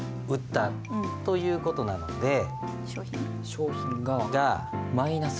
商品がマイナス。